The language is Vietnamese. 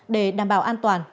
để đảm bảo an toàn